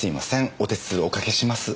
お手数おかけします。